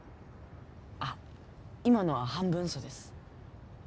あっ、今のは半分うそです。